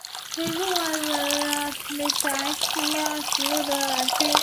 行政区划上归入唐山市路南区。